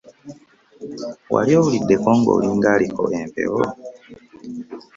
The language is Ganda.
Wali owuliddeko ng’olinga aliko empewo?